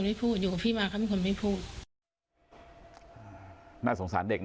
อยู่กับพี่มาก็ไม่มีคนไม่พูด